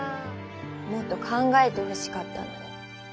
もっと考えてほしかったのに。